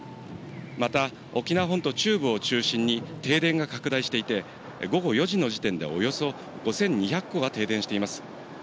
また、沖縄本島中部を中心に、停電が拡大していて、午後４時の時点でおよそ５２００戸が停電しています。